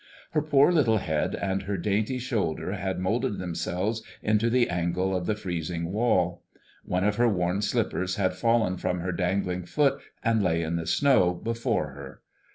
Her poor little head and her dainty shoulder had moulded themselves into the angle of the freezing wall. One of her worn slippers had fallen from her dangling foot and lay in the snow before her.